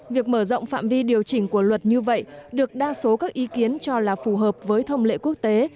việc mở rộng phạm vi điều chỉnh của luật như vậy được đa số các ý kiến cho là phù hợp với thông lệ quốc tế